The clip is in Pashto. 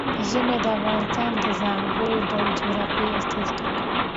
ژمی د افغانستان د ځانګړي ډول جغرافیه استازیتوب کوي.